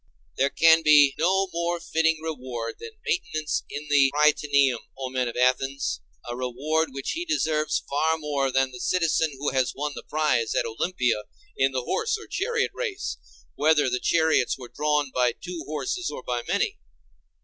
There can be no more fitting reward than maintenance in the Prytaneum, O men of Athens, a reward which he deserves far more than the citizen who has won the prize at Olympia in the horse or chariot race, whether the chariots were drawn by two horses or by many.